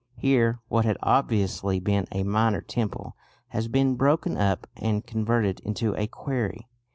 Here what had obviously been a minor temple has been broken up and converted into a quarry.